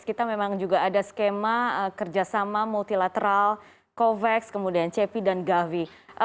kita memang juga ada skema kerjasama multilateral covax kemudian cepi dan gavi